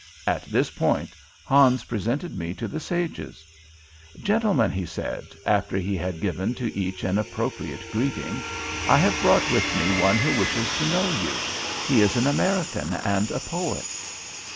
At this point Hans presented me to the sages. "Gentlemen," he said, after he had given to each an appropriate greeting, "I have brought with me one who wishes to know you. He is an American and a poet."